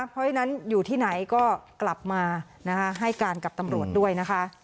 เพราะฉะนั้นอยู่ที่ไหนก็กลับมาให้การกับตำรวจด้วยนะคะ